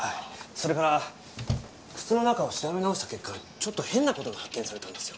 それから靴の中を調べ直した結果ちょっと変な事が発見されたんですよ。